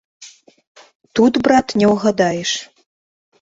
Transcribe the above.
Тут, брат, не ўгадаеш.